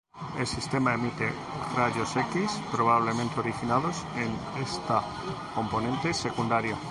El sistema emite rayos X, probablemente originados en esta componente secundaria.